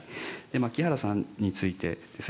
牧原さんについてです。